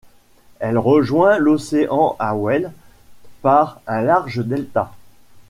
Elle rejoint l'océan à Wells par un large delta.